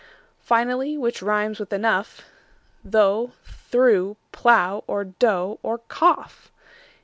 Finally: which rimes with "enough," Though, through, plough, cough, hough, or tough?